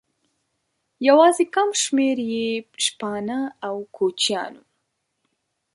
یواځې کم شمېر یې شپانه او کوچیان وو.